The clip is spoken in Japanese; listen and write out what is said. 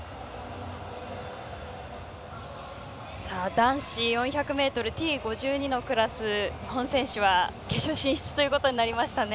男子４００ｍＴ５２のクラス日本選手は決勝進出となりましたね。